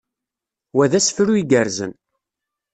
Wa d asefru igerrzen.